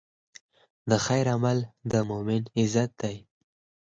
د خیر عمل د مؤمن عزت دی.